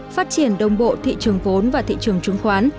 phát triển đồng bộ thị trường vốn và thị trường chứng khoán